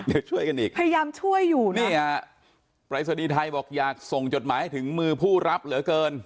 เดี๋ยวช่วยกันอีกพยายามช่วยอยู่นี่ฮะปรายศนีย์ไทยบอกอยากส่งจดหมายให้ถึงมือผู้รับเหลือเกิน